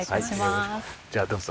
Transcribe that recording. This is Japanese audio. じゃあどうぞ。